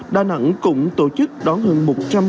đà nẵng cũng tổ chức đón hơn một trăm linh hành khách